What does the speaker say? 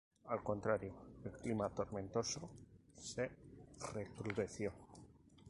Al contrario: el clima tormentoso se recrudeció.